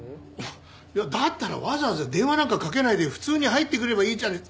いやだったらわざわざ電話なんかかけないで普通に入ってくればいいじゃない。